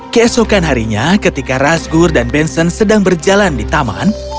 keesokan harinya ketika rasgur dan benson sedang berjalan di taman